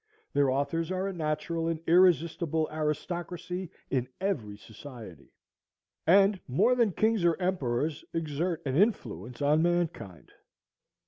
Their authors are a natural and irresistible aristocracy in every society, and, more than kings or emperors, exert an influence on mankind.